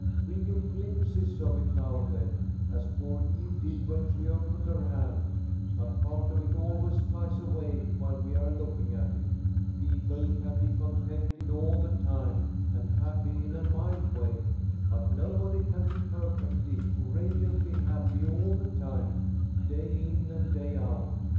"We get glimpses of it now and then, as poor Eve did when she opened her hand, but part of it always flies away while we are looking at it. People can be contented all the time, and happy in a mild way, but nobody can be perfectly, radiantly happy all the time, day in and day out.